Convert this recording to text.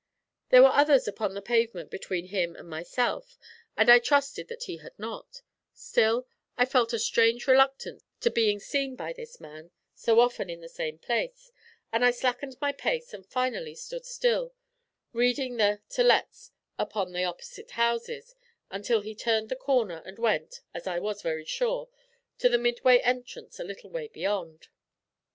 There were others upon the pavement between him and myself, and I trusted that he had not; still, I felt a strange reluctance to being seen by this man so often in the same place, and I slackened my pace and finally stood still, reading the 'to lets' upon the opposite houses, until he turned the corner and went, as I was very sure, to the Midway entrance a little way beyond.